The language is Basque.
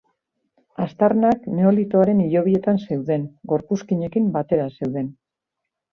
Aztarnak neolitoaren hilobietan zeuden, gorpuzkinekin batera zeuden.